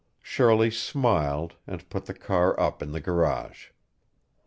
Shirley smiled, and put the car up in the garage.